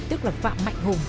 tức là phạm mạnh hùng